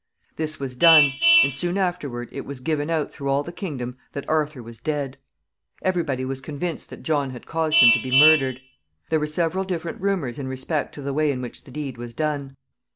This was done, and soon afterward it was given out through all the kingdom that Arthur was dead. Every body was convinced that John had caused him to be murdered. There were several different rumors in respect to the way in which the deed was done.